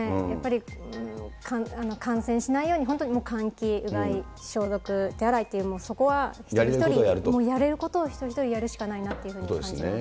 やっぱり感染しないように、本当にもう換気、うがい、消毒、手洗いという、そこは一人一人、やれることを一人一人やるしかないなと感じますね。